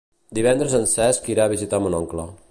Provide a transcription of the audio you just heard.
Divendres en Cesc irà a visitar mon oncle.